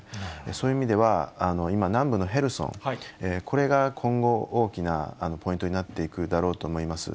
そういう意味では、今、南部のヘルソン、これが今後、大きなポイントになっていくだろうと思います。